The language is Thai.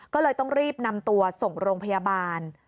ก็เลยต้องรีบนำตัวส่งโรงพยาบาล